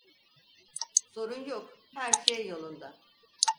Sorun yok, her şey yolunda.